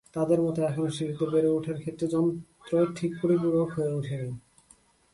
তাঁদের মতে, এখনো শিশুদের বেড়ে ওঠার ক্ষেত্রে যন্ত্র ঠিক পরিপূরক হয়ে ওঠেনি।